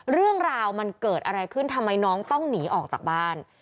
เรื่องราวมันเกิดอะไรขึ้นทำไมน้องต้องหนีออกจากบ้าน